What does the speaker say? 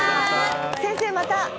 先生、また。